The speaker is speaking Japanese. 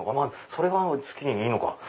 それは好きにいいのか。